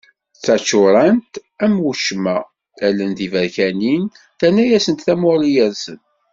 D taččurant am wacemma, allen d tiberkanin terna-asent tamuɣli yersen.